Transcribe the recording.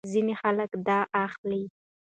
ځینې خلک دا اخلي.